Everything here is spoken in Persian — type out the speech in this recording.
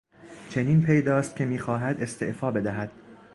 چنین پیداست که میخواهد استعفا بدهد.